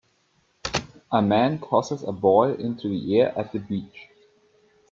A man tosses a boy into the air at the beach.